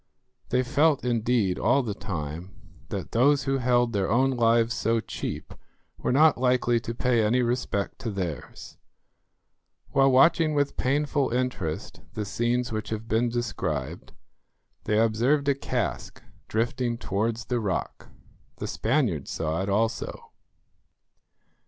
They felt, indeed, all the time, that those who held their own lives so cheap were not likely to pay any respect to theirs. While watching with painful interest the scenes which have been described, they observed a cask drifting towards the rock. The Spaniards saw it also.